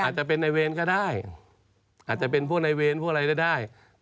อาจจะเป็นในเวรก็ได้อาจจะเป็นพวกในเวรพวกอะไรก็ได้